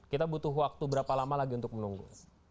kita butuh waktu berapa lama lagi untuk menunggu